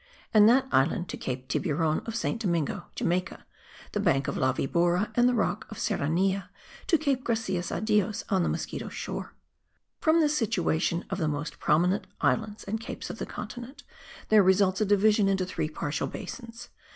and that island to Cape Tiburon of St. Domingo; Jamaica, the Bank of La Vibora and the rock of Serranilla to Cape Gracias a Dios on the Mosquito Shore. From this situation of the most prominent islands and capes of the continent, there results a division into three partial basins.